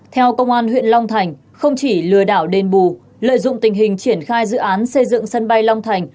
theo công an huyện long thành không chỉ lừa đảo đền bù lợi dụng tình hình triển khai dự án xây dựng sân bay long thành